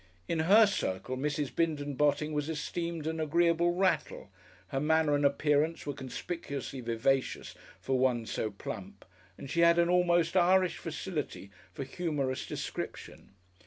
In her circle Mrs. Bindon Botting was esteemed an agreeable rattle, her manner and appearance were conspicuously vivacious for one so plump, and she had an almost Irish facility for humorous description.